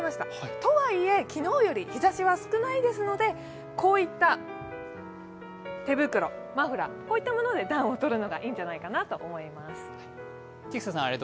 とはいえ、昨日より日ざしは少ないので、手袋、マフラーなどで暖をとるのがいいんじゃないかなと思います。